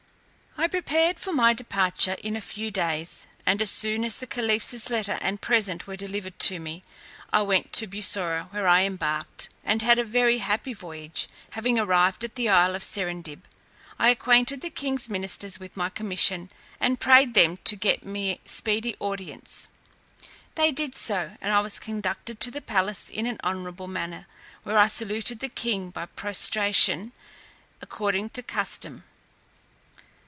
I prepared for my departure in a few days, and as soon as the caliph's letter and present were delivered to me, I went to Bussorah, where I embarked, and had a very happy voyage. Having arrived at the isle of Serendib, I acquainted the king's ministers with my commission, and prayed them to get me speedy audience. They did so, and I was conducted to the palace in an honourable manner, where I saluted the king by prostration, according to custom.